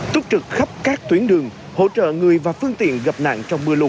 tốt trực khắp các tuyến đường hỗ trợ người và phương tiện gặp nạn trong mưa lụt